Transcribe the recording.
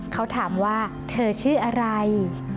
เขาถามว่าเธอชื่ออะไร